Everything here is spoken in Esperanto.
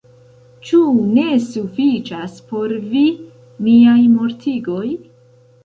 Ĉu ne sufiĉas por vi niaj mortigoj?